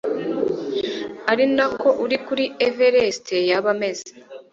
ari nako uri ku Everest yaba ameze